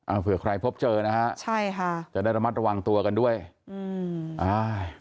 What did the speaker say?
เผื่อใครพบเจอนะฮะใช่ค่ะจะได้ระมัดระวังตัวกันด้วยอืมอ่า